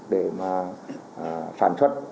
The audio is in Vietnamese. để mà sản xuất